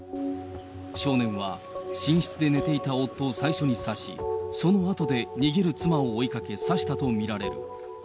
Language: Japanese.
少年は寝室で寝ていた夫を最初に刺し、そのあとで逃げる妻を追いかけ、刺したと見られる。